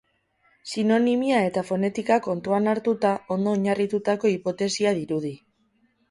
Sinonimia eta fonetika kontuan hartuta, ondo oinarritutako hipotesia dirudi.